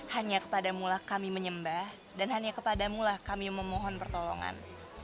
hanya kepadamulah kami menyembah dan hanya kepadamulah kami memohon pertolongan